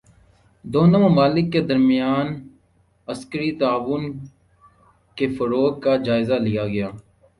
دونوں ممالک کے درمیان عسکری تعاون کے فروغ کا جائزہ لیا گیا